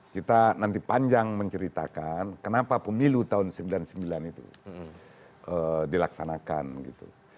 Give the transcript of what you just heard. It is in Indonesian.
kita nanti panjang menceritakan kenapa pemilu tahun seribu sembilan ratus sembilan puluh sembilan itu dilaksanakan gitu